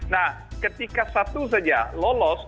nah ketika satu saja lolos